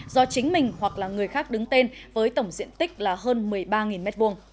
do chính mình hoặc là người khác đứng tên với tổng diện tích là hơn một mươi ba m hai